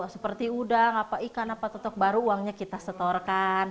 seperti udang apa ikan apa totok baru uangnya kita setorkan